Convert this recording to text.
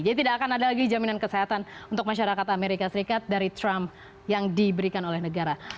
jadi tidak akan ada lagi jaminan kesehatan untuk masyarakat amerika serikat dari trump yang diberikan oleh trump